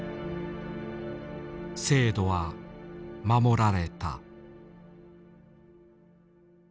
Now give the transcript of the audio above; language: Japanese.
制度は守られた。